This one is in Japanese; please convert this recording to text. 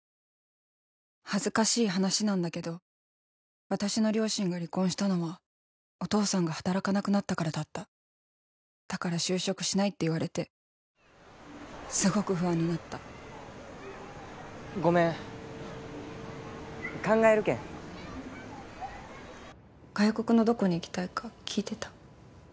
恥ずかしい話なんだけど私の両親が離婚したのはお父さんが働かなくなったからだっただから就職しないって言われてすごく不安になったごめん考えるけん外国のどこに行きたいか聞いてた？